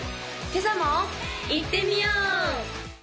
今朝もいってみよう！